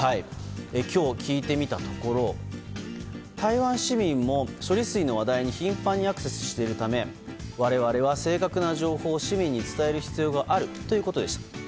今日、聞いてみたところ台湾市民も処理水の話題に頻繁にアクセスしているため我々は正確な情報を市民に伝える必要がある、ということでした。